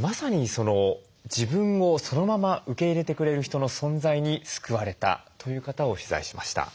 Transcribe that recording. まさに自分をそのまま受け入れてくれる人の存在に救われたという方を取材しました。